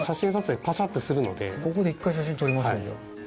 ここで１回、写真撮りましょう。